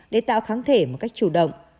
để tạo kháng thể một cách chủ động